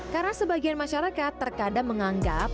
karena sebagian masyarakat terkadang menganggap